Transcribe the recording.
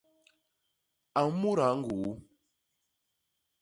A mudaa ñguu!